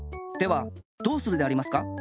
ではどうするでありますか？